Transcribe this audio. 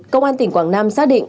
công an tỉnh quảng nam xác định